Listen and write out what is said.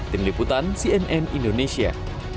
tim liputan cnn indonesia